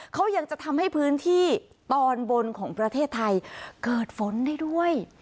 เขายังจะทำให้พื้นที่ตอนบนของประเทศไทยเกิดฝนได้ด้วย